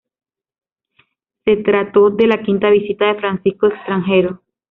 Se trató de la quinta visita de Francisco extranjero.